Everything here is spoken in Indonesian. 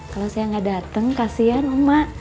kalau saya gak dateng kasihan umma